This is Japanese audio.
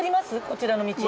こちらの道。